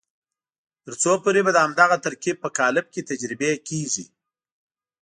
تر څو پورې به د همدغه ترکیب په قالب کې تجربې کېږي.